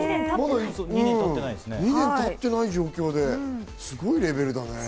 ２年も経ってない状況ですごいレベルだね。